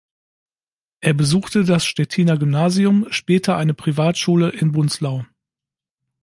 Er besuchte das Stettiner Gymnasium, später eine Privatschule in Bunzlau.